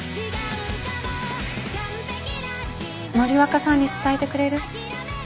森若さんに伝えてくれる？